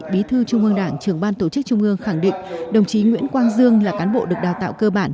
bí thư trung ương đảng trưởng ban tổ chức trung ương khẳng định đồng chí nguyễn quang dương là cán bộ được đào tạo cơ bản